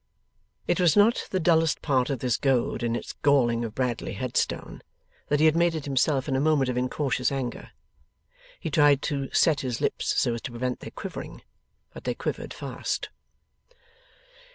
It was not the dullest part of this goad in its galling of Bradley Headstone, that he had made it himself in a moment of incautious anger. He tried to set his lips so as to prevent their quivering, but they quivered fast.